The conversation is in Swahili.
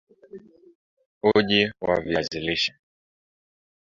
Uji wa viazi lishe